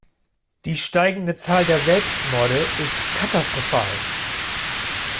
Die steigende Zahl der Selbstmorde ist katastrophal.